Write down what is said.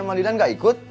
den emang lidan gak ikut